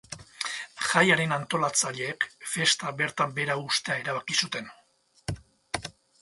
Jaiaren antolatzaileek festa bertan behera uztea erabaki zuten.